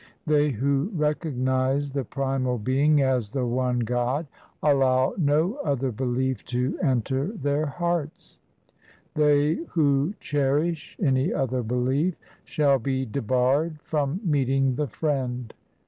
They who recognize the Primal Being as the one God, Allow no other belief to enter their hearts. They who cherish any other belief, Shall be debarred from meeting the Friend.